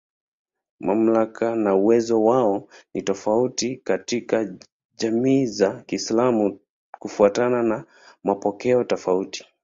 Mamlaka na uwezo wao ni tofauti katika jamii za Kiislamu kufuatana na mapokeo tofauti.